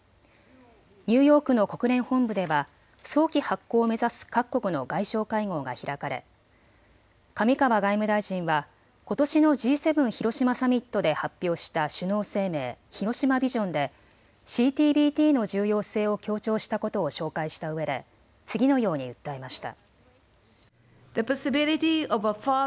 ニューヨークの国連本部では早期発効を目指す各国の外相会合が開かれ上川外務大臣はことしのＧ７広島サミットで発表した首脳声明、広島ビジョンでＣＴＢＴの重要性を強調したことを紹介したうえで次のように訴えました。